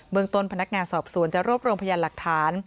เมืองต้นพนักงานสอบสวนจะรวบรวมพยานหลักฐาน